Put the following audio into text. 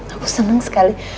aku seneng sekali